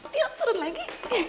tio turun lagi